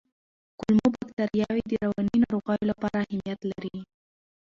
کولمو بکتریاوې د رواني ناروغیو لپاره اهمیت لري.